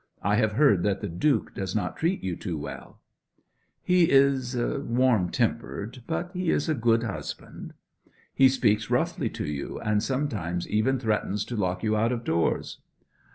I have heard that the Duke does not treat you too well.' 'He is warm tempered, but he is a good husband.' 'He speaks roughly to you, and sometimes even threatens to lock you out of doors.'